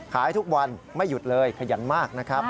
ขายทุกวันไม่หยุดเลยขยันมากนะครับ